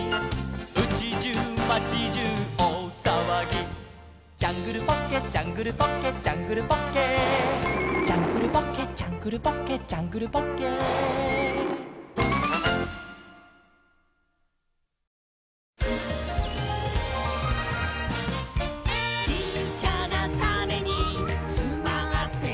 「うちじゅう町じゅうおおさわぎ」「ジャングルポッケジャングルポッケ」「ジャングルポッケ」「ジャングルポッケジャングルポッケ」「ジャングルポッケ」「ちっちゃなタネにつまってるんだ」